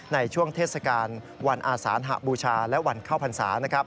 ในช่วงเทศกาลวันอาสานหบูชาและวันเข้าพรรษา